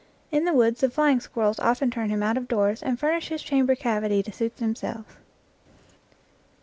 In the woods the flying squirrels often turn him out of doors and furnish his chamber cavity to suit themselves.